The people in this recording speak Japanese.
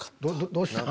どうしたん？